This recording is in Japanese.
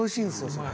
それ。